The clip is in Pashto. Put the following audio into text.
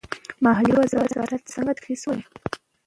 مالیې وزارت څنګه تخصیص ورکوي؟